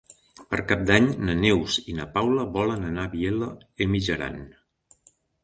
Per Cap d'Any na Neus i na Paula volen anar a Vielha e Mijaran.